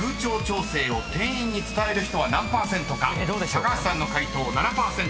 ［高橋さんの解答７％］